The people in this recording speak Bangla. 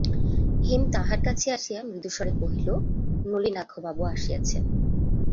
হেম তাঁহার কাছে আসিয়া মৃদুস্বরে কহিল, নলিনাক্ষবাবু আসিয়াছেন।